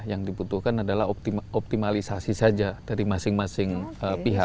yang dibutuhkan adalah optimalisasi saja dari masing masing pihak